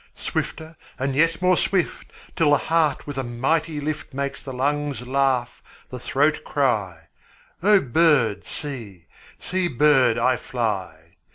Swifter and yet more swift, 5 Till the heart with a mighty lift Makes the lungs laugh, the throat cry:— 'O bird, see; see, bird, I fly.